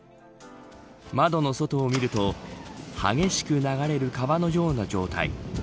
窓の外を見ると激しく流れる川のような状態。